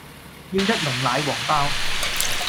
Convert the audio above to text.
要一籠奶黃包